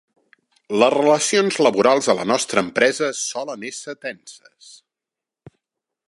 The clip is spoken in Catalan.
Les relacions laborals a la nostra empresa solen ésser tenses.